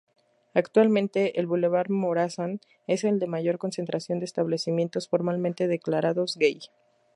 Actualmente el Bulevar Morazán es el de mayor concentración de establecimientos formalmente declarados "gay".